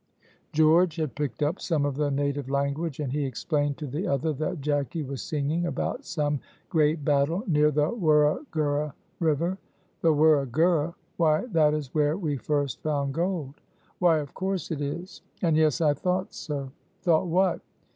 George had picked up some of the native language, and he explained to the other that Jacky was singing about some great battle, near the Wurra Gurra River. "The Wurra Gurra! why, that is where we first found gold." "Why of course it is! and yes! I thought so." "Thought what?"